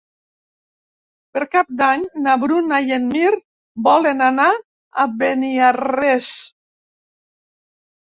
Per Cap d'Any na Bruna i en Mirt volen anar a Beniarrés.